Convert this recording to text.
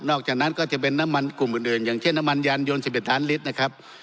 จากนั้นก็จะเป็นน้ำมันกลุ่มอื่นอย่างเช่นน้ำมันยานยน๑๑ล้านลิตรนะครับ